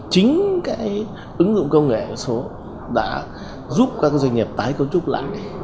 chính cái ứng dụng công nghệ số đã giúp các doanh nghiệp tái cấu trúc lại